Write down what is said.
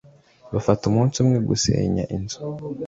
bifata umunsi umwe gusenya inzu